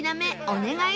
お願い。